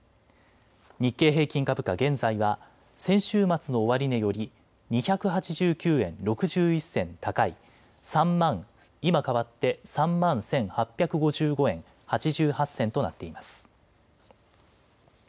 日経平均株価、現在は先週末の終値より２８９円６１銭高い今変わって３万１８５５円８８銭となっています。